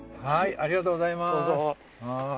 ありがとうございます。